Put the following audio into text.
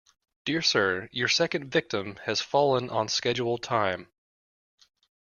Dear Sir, Your second victim has fallen on schedule time.